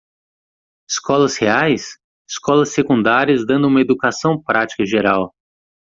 Escolas reais? escolas secundárias dando uma educação prática geral